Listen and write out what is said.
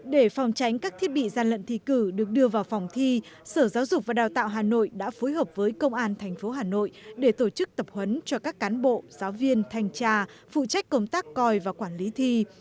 để phòng tránh các thiết bị gian lận thi cử được đưa vào phòng thi sở giáo dục và đào tạo hà nội đã phối hợp với công an tp hà nội để tổ chức tập huấn cho các cán bộ giáo viên thanh tra phụ trách công tác coi và quản lý thi